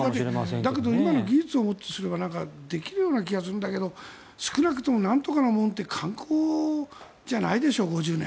だけど今の技術をもってすればできるような気がするんだけど少なくともなんとかの門って観光じゃないでしょ５０年。